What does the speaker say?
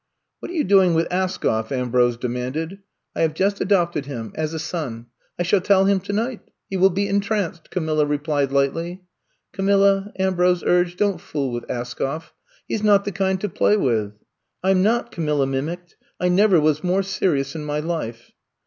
What are yon doing with Askoflff" Ambrose demanded. I have jnst adopted him — as a son. I shall tell him tonight. He will be en tranced, Camilla replied lightly. Camilla, Ambrose urged, don*t fool with AskoflF. He *s not the kind to play with. I *m not, Camilla mimicked. I never was more serious in my life!